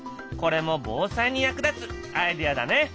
これも防災に役立つアイデアだね！